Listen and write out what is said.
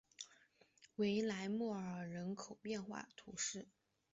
维莱莫尔人口变化图示